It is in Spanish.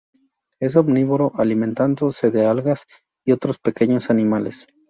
Es omnívoro, alimentándose de algas y otros pequeños animales.